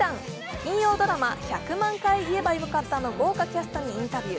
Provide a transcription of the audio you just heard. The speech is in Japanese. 金曜ドラマ「１００万回言えばよかった」の豪華キャストにインタビュー。